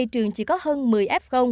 trường chỉ có hơn một mươi f